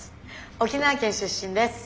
沖縄県出身です。